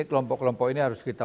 kelompok kelompok ini harus kita